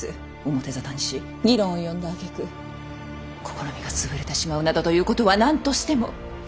表沙汰にし議論を呼んだあげく試みが潰れてしまうなどということは何としても避けたいのです。